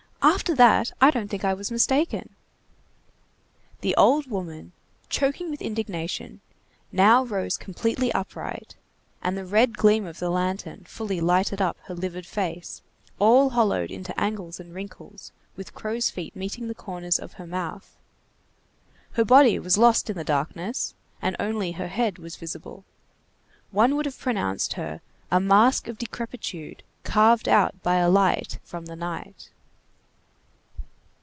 "After that, I don't think I was mistaken!" The old woman, choking with indignation, now rose completely upright, and the red gleam of the lantern fully lighted up her livid face, all hollowed into angles and wrinkles, with crow's feet meeting the corners of her mouth. Her body was lost in the darkness, and only her head was visible. One would have pronounced her a mask of Decrepitude carved out by a light from the night.